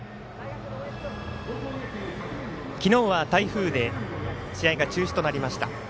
昨日は台風で試合が中止となりました。